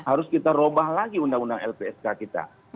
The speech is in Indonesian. harus kita ubah lagi undang undang lpsk kita